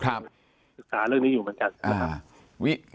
ศึกษาเรื่องนี้อยู่เหมือนกันนะครับ